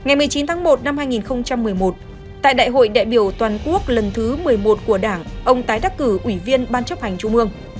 ngày một mươi chín tháng một năm hai nghìn một mươi một tại đại hội đại biểu toàn quốc lần thứ một mươi một của đảng ông tái đắc cử ủy viên ban chấp hành trung ương